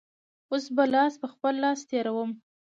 اوس به لاس په خپل سر تېروم.